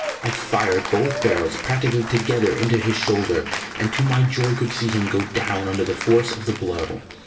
I fired both barrels practically together into his shoulder, and to my joy could see him go down under the force of the blow.